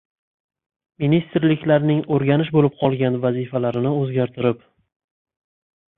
Ministrliklarning o‘rganish bo‘lib qolgan vazifalarini o‘zgartirib